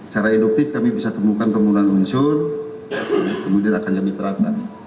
secara induktif kami bisa temukan penggunaan unsur kemudian akan kami terapkan